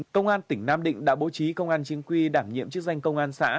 công an tỉnh nam định đã bố trí công an chính quy đảm nhiệm chức danh công an xã